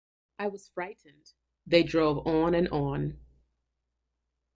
“I was frightened.” They drove on and on.